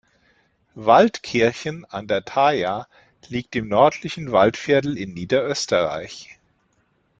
Waldkirchen an der Thaya liegt im nördlichen Waldviertel in Niederösterreich.